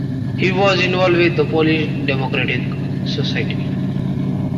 He was involved with the Polish Democratic Society.